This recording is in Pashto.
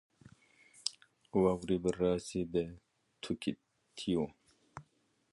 وراوي به راسي د توتکیو